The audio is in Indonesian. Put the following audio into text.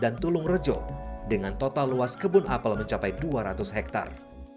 dan tulung rejo dengan total luas kebun apel mencapai dua ratus hektare